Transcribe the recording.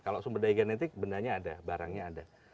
kalau sumber daya genetik bendanya ada barangnya ada